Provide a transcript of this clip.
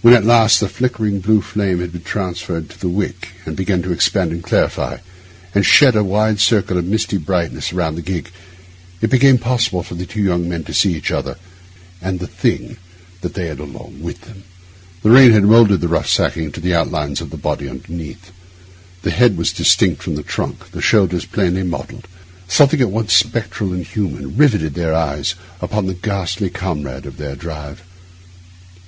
When at last the flickering blue flame had been transferred to the wick and began to expand and clarify, and shed a wide circle of misty brightness round the gig, it became possible for the two young men to see each other and the thing they had along with them. The rain had moulded the rough sacking to the outlines of the body underneath; the head was distinct from the trunk, the shoulders plainly modelled; something at once spectral and human riveted their eyes upon the ghastly comrade of their drive.